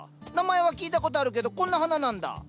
名前は聞いたことあるけどこんな花なんだ。